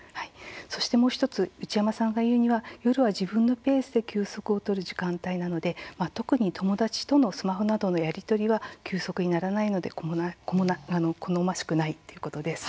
そしてもう１つ内山さんが言うには夜は自分のペースで休息を取る時間帯なので特に友達とのスマホなどのやり取りは休息にならないので好ましくないということです。